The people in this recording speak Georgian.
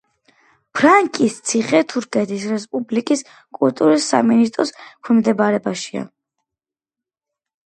ფარნაკის ციხე თურქეთის რესპუბლიკის კულტურის სამინისტროს დაქვემდებარებაშია.